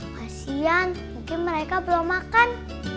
kasian mungkin mereka belum makan